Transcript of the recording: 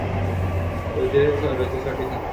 এর অধীনে রয়েছে ছয়টি থানা।